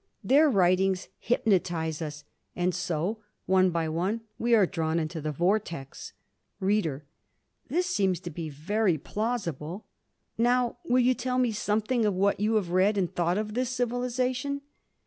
Their writings hypnotise us. And so, one by one, we are drawn into the vortex. READER: This seems to be very plausible. Now will you tell me something of what you have read and thought of this civilization.